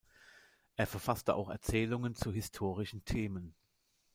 Er verfasste auch Erzählungen zu historischen Themen.